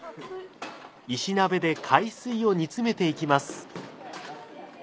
石鍋で海水を煮詰めていきます。